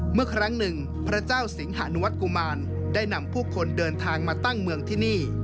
เมื่อครั้งหนึ่งพระเจ้าสิงหานุวัฒกุมารได้นำผู้คนเดินทางมาตั้งเมืองที่นี่